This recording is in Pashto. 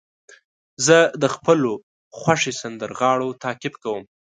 زه د خپلو خوښې سندرغاړو تعقیب کوم.